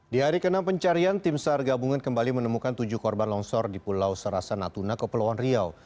di hari ke enam pencarian tim sar gabungan kembali menemukan tujuh korban longsor di pulau serasa natuna kepulauan riau